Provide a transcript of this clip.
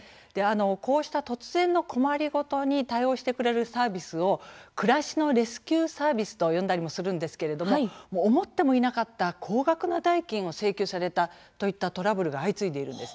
こうした突然の困り事に対応してくれるサービスをくらしのレスキューサービスと呼んだりもするんですが思ってもみなかった高額な代金を請求されたといったトラブルが相次いでいるんです。